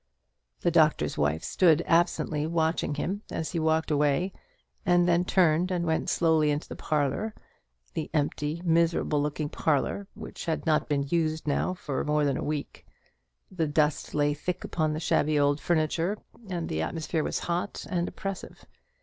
The Doctor's Wife stood absently watching him as he walked away, and then turned and went slowly into the parlour the empty, miserable looking parlour, which had not been used now for more than a week. The dust lay thick upon the shabby old furniture, and the atmosphere was hot and oppressive.